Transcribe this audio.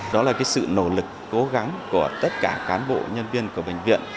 đó là cái sự nỗ lực cố gắng của tất cả cán bộ nhân viên của bệnh viện